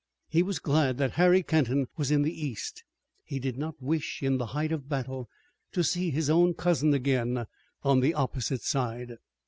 He was glad that Harry Kenton was in the east. He did not wish in the height of battle to see his own cousin again on the opposite side.